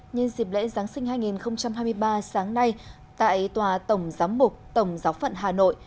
nhân dịp lễ giáng sinh hai nghìn hai mươi ba sáng nay tại tòa tổng giám mục tổng giáo phận hà nội